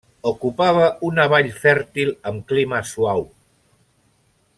Ocupava una vall fèrtil amb clima suau.